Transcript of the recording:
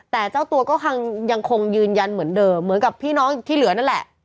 แต่เจ้าตัวก็คงยังคงยืนยันเหมือนเดิมเหมือนกับพี่น้องที่เหลือนั่นแหละ